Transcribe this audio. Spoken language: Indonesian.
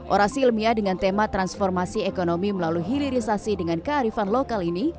orasi ilmiah dengan tema transformasi ekonomi melalui hilirisasi dengan kearifan lokal ini